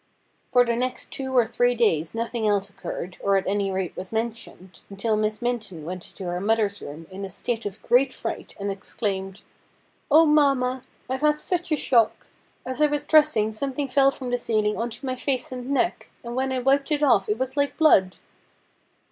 For the next two or three days nothing else occurred, or at any rate was mentioned, until Miss Minton went into her mother's room in a state of great fright, and exclaimed :' Oh, mamma, I've had such a shock. As I was dressing something fell from the ceiling on to my face and neck, and when I wiped it off it was like blood.'